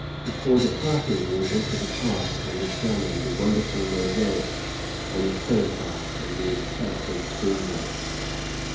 Before departing, we enter the Taj and examine the wonderful mosaics on the cenotaphs and the encircling screen work.